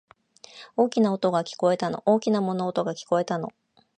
大きな音が、聞こえたの。大きな物音が、聞こえたの。